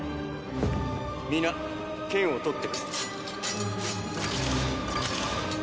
皆剣を取ってくれ。